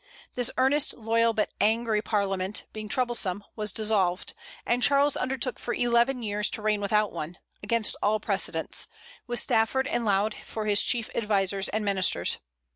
This earnest, loyal, but angry Parliament, being troublesome, was dissolved, and Charles undertook for eleven years to reign without one, against all precedents, with Stafford and Laud for his chief advisers and ministers.